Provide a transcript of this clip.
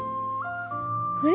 あれ？